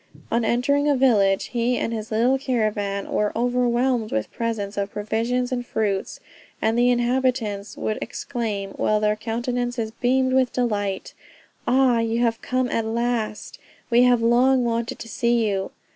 On entering a village, he and his little caravan were overwhelmed with presents of provisions and fruits; and the inhabitants would exclaim, while their countenances beamed with delight, "Ah, you have come at last; we have long wanted to see you!"